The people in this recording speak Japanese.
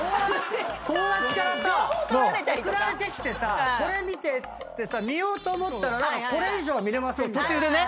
友達からさ送られてきてさこれ見てっつって見ようと思ったらこれ以上は見れませんみたいな。